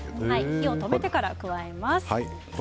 火を止めてから加えます。